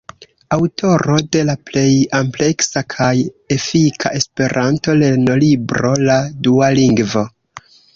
Aŭtoro de la plej ampleksa kaj efika esperanto-lernolibro, "La dua lingvo".